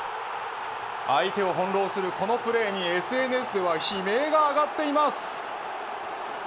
相手を翻弄するこのプレーにＳＮＳでは悲鳴が上がっています。